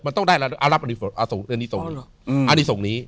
มันต้องได้อนีสงฆ์นี้